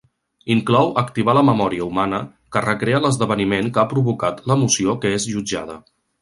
Inclou activar la memòria humana, que recrea l'esdeveniment que ha provocat l'emoció que és jutjada.